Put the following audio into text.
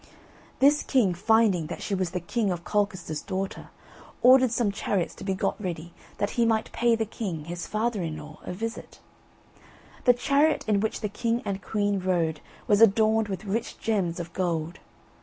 This king finding that she was the King of Colchester's daughter, ordered some chariots to be got ready, that he might pay the king, his father in law, a visit. The chariot in which the king and queen rode was adorned with rich gems of gold.